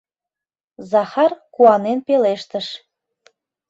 — Захар куанен пелештыш.